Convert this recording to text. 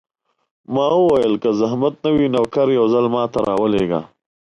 ما وویل: که زحمت نه وي، نوکر یو ځل ما ته راولېږه.